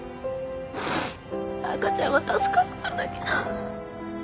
赤ちゃんは助かったんだけど。